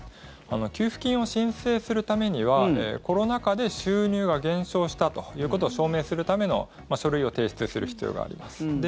給付金を申請するためにはコロナ禍で収入が減少したということを証明するための書類を提出する必要があります。